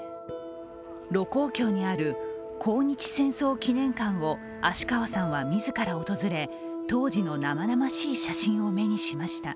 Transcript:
盧溝橋にある抗日戦争記念館を芦川さんは自ら訪れ当時の生々しい写真を目にしました。